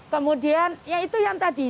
kemudian ya itu yang tadi